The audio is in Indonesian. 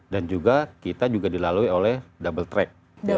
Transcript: dan juga kita juga dilalui oleh double track